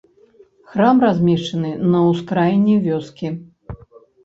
Храм размешчаны на ўскраіне вёскі.